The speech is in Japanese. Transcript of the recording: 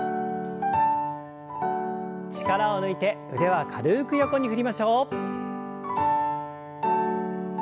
力を抜いて腕は軽く横に振りましょう。